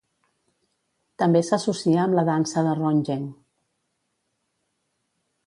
També s'associa amb la dansa de Ronggeng.